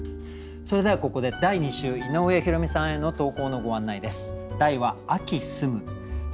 それではここで第２週井上弘美さんへの投稿のご案内です。